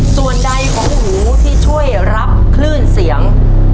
ส่วนใดของหูที่ช่วยรับคลื่นเสียง